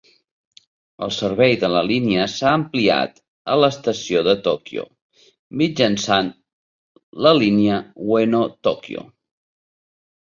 El servei de la línia s'ha ampliat a l'estació de Tòquio, mitjançant la línia Ueno-Tòquio.